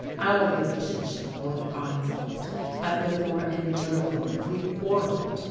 Our relationship would, I thought, have been more endurable if we had quarrelled.